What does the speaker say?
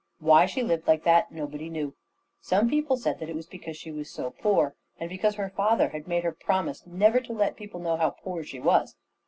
Why she lived like that, nobody knew. Some people said that it was because she was so poor, and because her father had made her promise never to let people know how poor she was.